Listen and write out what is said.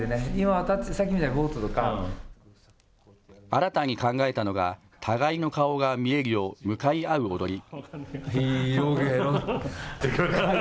新たに考えたのが、互いの顔が見えるよう向かい合う踊り。